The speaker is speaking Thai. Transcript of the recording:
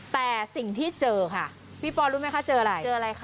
แต่สิ่งที่เจอค่ะพี่โปรดูไหมคะเจออะไร